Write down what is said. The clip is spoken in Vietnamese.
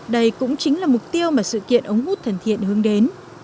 đây cũng chính là mục tiêu mà sự kiện ống hút thân thiện hướng đến